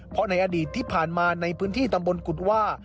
เพราะในอดีตที่ผ่านมาในพื้นที่ตำบลกุฎว่า